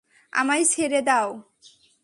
আমায় ছেড়ে দাও!